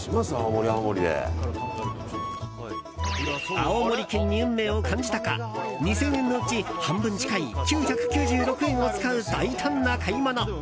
青森県に運命を感じたか２０００円のうち半分近い９９６円を使う大胆な買い物！